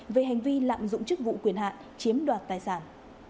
về hành vi lạm dụng chức vụ quyền hạn chiếm đoạt tài sản